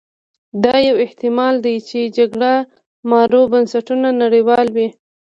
دا یو احتما ل دی چې جګړه مارو بنسټونه نړولي وي.